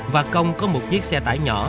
và công có một chiếc xe tải nhỏ